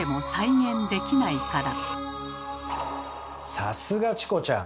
さすがチコちゃん！